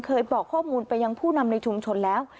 บอกข้อมูลไปยังผู้นำในชุมชนแล้ว